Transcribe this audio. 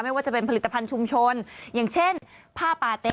ไม่ว่าจะเป็นผลิตภัณฑ์ชุมชนอย่างเช่นผ้าปาเต๊